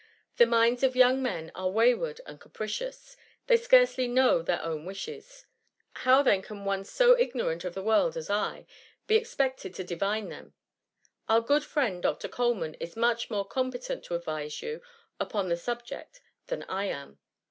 The minds of young men are wayward and capricious ; they scarcely know their own wishes ; how then can one so ignorant of the world as I, be expected to di vine them P Our good friend Dr. Coleman is much more competent to advise you upon the subject than I am.''